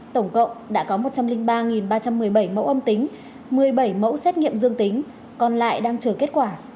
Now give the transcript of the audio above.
tổng cộng đã có một trăm linh ba ba trăm một mươi bảy mẫu âm tính một mươi bảy mẫu xét nghiệm dương tính còn lại đang chờ kết quả